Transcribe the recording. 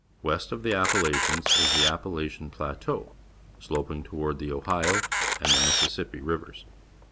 West of the Appa lachians is the^Ap palachian Plateau, sloping toward the Ohio Map showin: and the Mississippi Rivers.